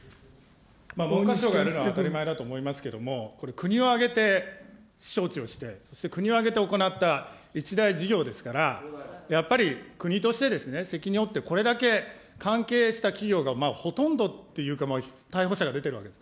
文科省がやるのは当たり前だと思いますけれども、これ、国を挙げて招致をして、そして国を挙げて行った一大事業ですから、やっぱり、国として責任を負って、これだけ関係した企業が、ほとんどっていうか、逮捕者が出ているわけです。